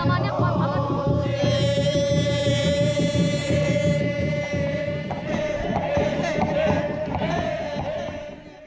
kepersamaan yang kuat banget